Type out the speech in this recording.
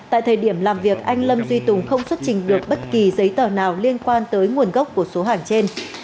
tại thời điểm làm việc anh lâm duy tùng không xuất trình được bất kỳ giấy tờ nào liên quan tới nguồn gốc của số hàng trên